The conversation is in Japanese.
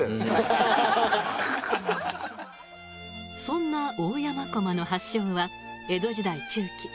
そんな大山こまの発祥は江戸時代中期。